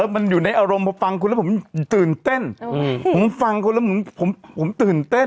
มันอยู่ในอารมณ์พอฟังคุณแล้วผมตื่นเต้นผมฟังคุณแล้วผมตื่นเต้น